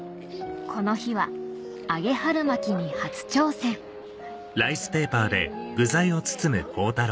この日は揚げ春巻きに初挑戦ビュウビュウ。